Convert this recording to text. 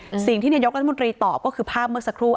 สิ่งที่นายกรัฐมนตรีตอบก็คือภาพเมื่อสักครู่